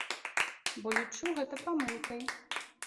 Бо лічу гэта памылкай.